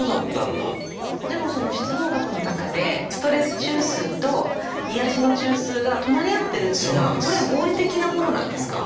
でもその室傍核の中でストレス中枢と癒やしの中枢が隣り合ってるというのはこれは合理的なものなんですか？